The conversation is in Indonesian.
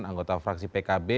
anggota fraksi pkb